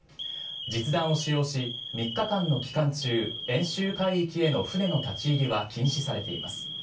実弾を使用し、３日間の期間中演習海域への船の立ち入りは禁止されています。